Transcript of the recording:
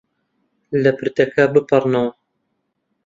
لە پردەکە بپەڕنەوە.